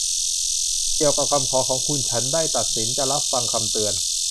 เกี่ยวกับคำขอของคุณ ฉันได้ตัดสินจะรับฟังคำเตือน